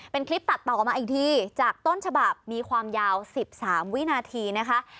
เป็นคลิปตัดต่อมาอีกทีจากต้นฉบับมีความยาว๑๓วินาทีนะคะ